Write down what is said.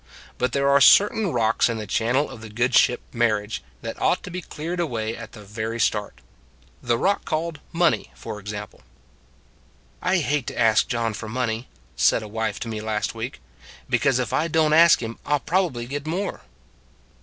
But there are certain rocks in the channel of the good ship Marriage that ought to be cleared away at the very start. The rock called Money, for ex ample. " I hate to ask John for money," said a wife to me last week, " because if I don t ask him I 11 probably get more."